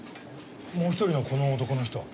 もう一人のこの男の人は？